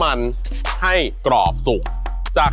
มันเป็นอะไร